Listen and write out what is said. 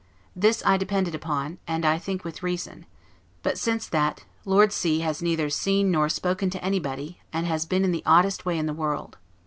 This I depended upon, and I think with reason; but, since that, Lord C has neither seen nor spoken to anybody, and has been in the oddest way in the world.